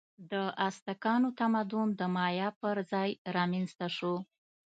د ازتکانو تمدن د مایا پر ځای رامنځته شو.